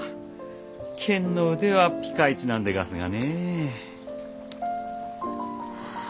剣の腕はピカイチなんでがすがねえ。